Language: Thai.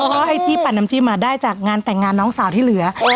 เพราะไอ้ที่ปั่นน้ำจิ้มได้จากงานแต่งงานน้องสาวที่เหลือ